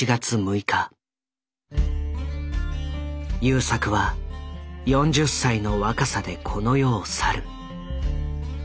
優作は４０歳の若さでこの世を去る。